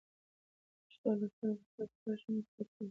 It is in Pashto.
پښتو لوستل به ستاسو په ژوند کې د پوهې او رڼا لاره پرانیزي.